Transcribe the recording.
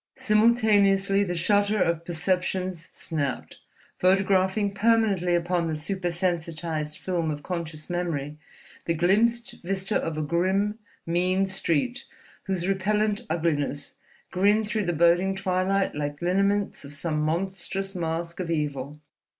Simultaneously the shutter of perceptions snapped, photographing permanently upon the super sensitized film of conscious memory the glimpsed vista of a grim, mean street whose repellent uglinesses grinned through the boding twilight like lineaments of some monstrous mask of evil.